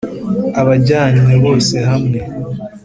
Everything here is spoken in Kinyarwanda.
Abajyanywe bose hamwe